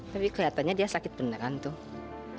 tapi kelihatannya dia sakit beneran tuh